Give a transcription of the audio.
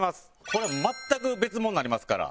これ全く別物になりますから。